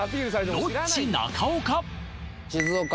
ロッチ中岡